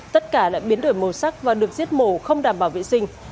tất cả đã biến đổi màu sắc và được diết mổ không đảm bảo vệ sinh